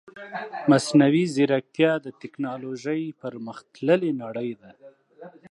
مصنوعي ځيرکتيا د تکنالوژي پرمختللې نړۍ ده .